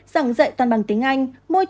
giảng dạy toàn bằng tiếng anh